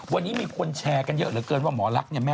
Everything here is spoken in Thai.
วันนี้มีคนแชร์กันเยอะเหลือเกินว่าหมอลักษณ์เนี่ยแม่